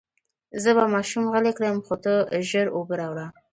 زه به ماشوم غلی کړم، خو ته ژر اوبه راوړه.